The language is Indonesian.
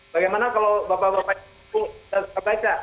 bagaimana kalau bapak bapak itu baca